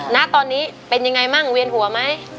ณตอนนี้เป็นยังไงบ้างเวียนหัวไหม